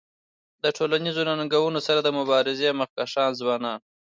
د ټولنیزو ننګونو سره د مبارزی مخکښان ځوانان دي.